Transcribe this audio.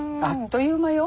あっという間。